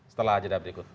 setelah hajadah berikut